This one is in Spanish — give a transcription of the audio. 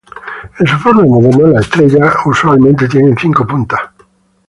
En su forma moderna la estrella usualmente tiene cinco puntas.